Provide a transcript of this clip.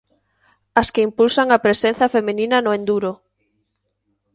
As que impulsan a presenza feminina no enduro.